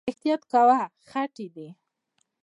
احتياط کوه، خټې دي